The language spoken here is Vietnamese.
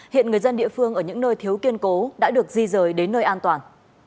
hiện người dân địa phương ở những nơi thiếu kiên cố đã được di rời đến nơi an toàn